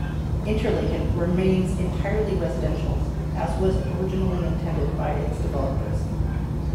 Interlaken remains entirely residential, as was originally intended by its developers.